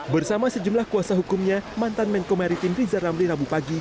bersama sejumlah kuasa hukumnya mantan menko maritim riza ramli rabu pagi